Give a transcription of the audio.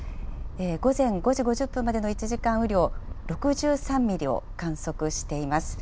午前５時５０分までの１時間雨量、６３ミリを観測しています。